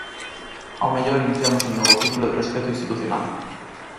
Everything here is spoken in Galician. Ao mellor iniciamos un novo ciclo de respecto institucional.